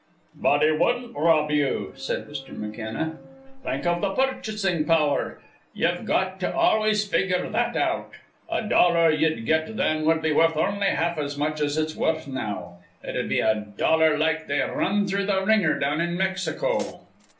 "But he wouldn't rob you," said Mr. McKenna. "Think of the purchasing power: you've got to always figure that out. A dollar you'd get then would be worth only half as much as it's worth now. It'd be a dollar like they run through the ringer down in Mexico."